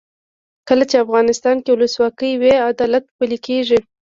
کله چې افغانستان کې ولسواکي وي عدالت پلی کیږي.